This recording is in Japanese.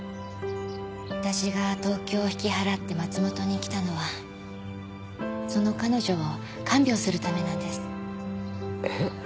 私が東京を引き払って松本に来たのはその彼女を看病するためなんですえっ？